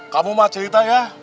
kamu mah cerita ya